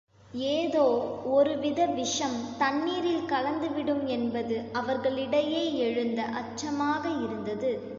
ஏதோ ஒரு வித விஷம் தண்ணீரில் கலந்து விடும் என்பது அவர்களிடையே எழுந்த அச்சமாக இருந்தது.